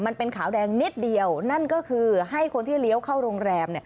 มันเป็นขาวแดงนิดเดียวนั่นก็คือให้คนที่เลี้ยวเข้าโรงแรม